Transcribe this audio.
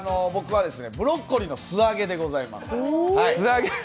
ブロッコリーの素揚げでございます。